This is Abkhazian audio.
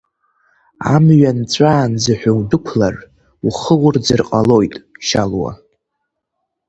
Амҩа нҵәаанӡа ҳәа удәықәлар, ухы урӡыр ҟалоит Шьалуа.